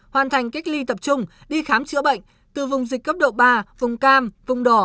hoàn thành cách ly tập trung đi khám chữa bệnh từ vùng dịch cấp độ ba vùng cam vùng đỏ